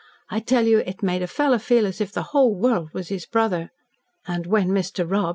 I tell you it made a fellow feel as if the whole world was his brother. And when Mr. Rob.